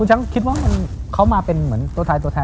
คุณชั้นคิดว่ามันเขามาเป็นเหมือนตัวทายตัวแทน